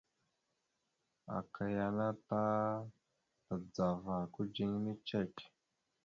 Aka yana ta tadzava kudziŋine cek.